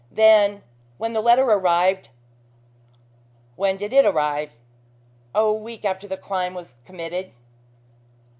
Then, when the letter arrived " "When did it arrive?" "A week after the crime was committed."